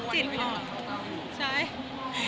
ที่ผแยร๊ภมาศอยู่